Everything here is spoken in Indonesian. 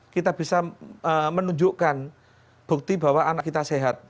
kita bisa menunjukkan bukti bahwa anak kita sehat